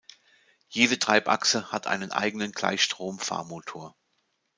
Jede Treibachse hat einen eigenen Gleichstrom-Fahrmotor.